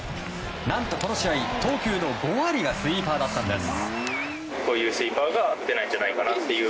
何とこの試合、投球の５割がスイーパーだったんです。